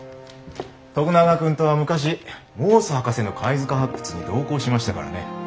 徳永君とは昔モース博士の貝塚発掘に同行しましたからね。